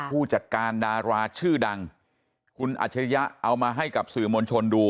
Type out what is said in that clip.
ผู้จัดการดาราชื่อดังคุณอัจฉริยะเอามาให้กับสื่อมวลชนดู